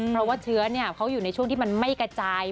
เพราะว่าเชื้อเขาอยู่ในช่วงที่มันไม่กระจาย